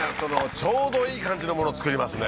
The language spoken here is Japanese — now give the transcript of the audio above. ちょうどいい感じのもの作りますね